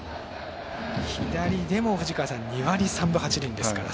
左でも２割３分８厘ですから。